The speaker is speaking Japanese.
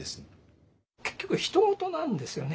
結局ひと事なんですよね。